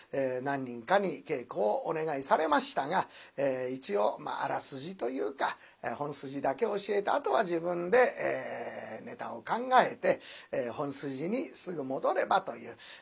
何人かに稽古をお願いされましたが一応あらすじというか本筋だけ教えてあとは自分でネタを考えて本筋にすぐ戻ればという。